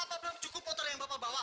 apa belum cukup motor yang bapak bawa